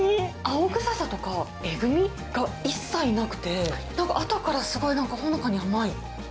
青臭さとか、えぐみが一切なくて、なんかあとからすごい、ほのかに甘い。